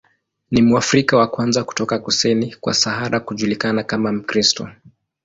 Ni Mwafrika wa kwanza kutoka kusini kwa Sahara kujulikana kama Mkristo.